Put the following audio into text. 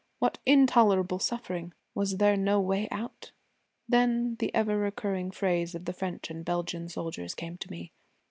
What intolerable suffering! Was there no way out? Then the ever recurring phrase of the French and Belgian soldiers came to me.